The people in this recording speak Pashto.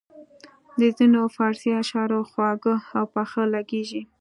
د ځینو فارسي اشعار خواږه او پاخه لګیږي.